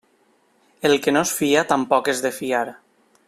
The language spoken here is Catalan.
El que no es fia, tampoc és de fiar.